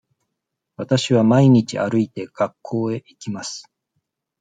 わたしは毎日歩いて学校へ行きます。